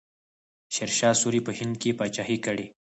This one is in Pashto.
شیرشاه سوري په هند کې پاچاهي کړې.